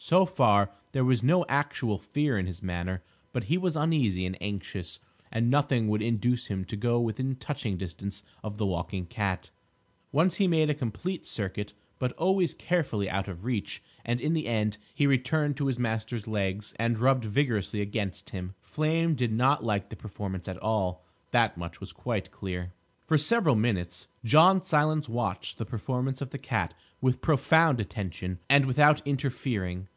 So far there was no actual fear in his manner, but he was uneasy and anxious, and nothing would induce him to go within touching distance of the walking cat. Once he made a complete circuit, but always carefully out of reach; and in the end he returned to his master's legs and rubbed vigorously against him. Flame did not like the performance at all: that much was quite clear. For several minutes John Silence watched the performance of the cat with profound attention and without interfering.